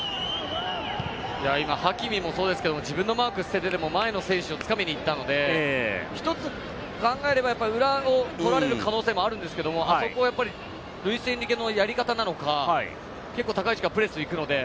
ハキミもそうですけれど自分のマークを捨ててでも前の選手をつかみに行ったので、１つ考えれば、やっぱり裏を取られる可能性があるんですけれども、やっぱりルイス・エンリケのやり方なのか、高い位置からプレスに行くのね。